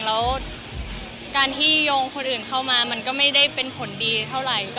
แล้วการที่โยงคนอื่นเข้ามามันก็ไม่ได้เป็นผลดีเท่าไหร่